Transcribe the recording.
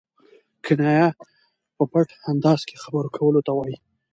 کنایه په پټ انداز کښي خبرو کولو ته وايي.